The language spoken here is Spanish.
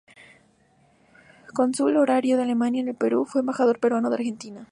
Cónsul honorario de Alemania en el Perú, fue embajador peruano en Argentina.